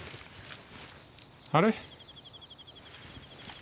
あれ？